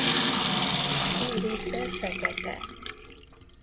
Írisze fekete.